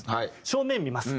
正面見ます。